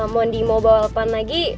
mondi mau balapan lagi